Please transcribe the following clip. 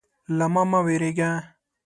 _له ما مه وېرېږه.